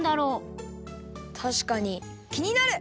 たしかにきになる！